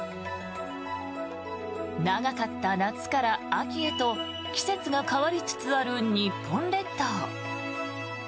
長かった夏から秋へと季節が変わりつつある日本列島。